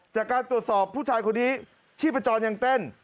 จากการตรวจสอบผู้ชายคนนี้ชีพจรยังเต้น